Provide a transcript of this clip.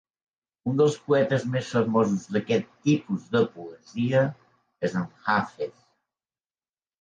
Un dels poetes més famosos d"aquest tipus de poesia és Hafez.